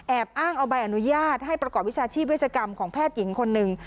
อ้างเอาใบอนุญาตให้ประกอบวิชาชีพเวชกรรมของแพทย์หญิงคนหนึ่ง